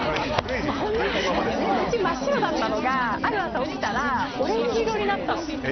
うち、真っ白だったのがある朝起きたらオレンジ色になってたの。